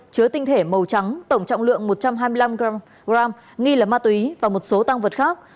chứa tinh thể màu trắng tổng trọng lượng một trăm hai mươi năm g nghi là ma túy và một số tăng vật khác